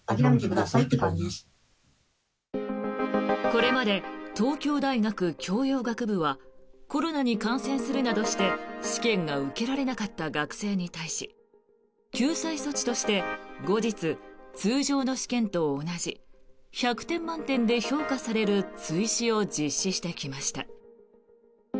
これまで、東京大学教養学部はコロナに感染するなどして試験が受けられなかった学生に対し救済措置として後日、通常の試験と同じ１００点満点で評価される追試を実施してきました。